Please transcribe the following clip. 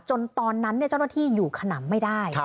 ตอนนั้นเจ้าหน้าที่อยู่ขนำไม่ได้